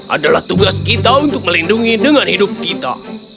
adalah tugas kita untuk melindungi dengan hidup kita